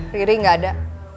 riri nggak ada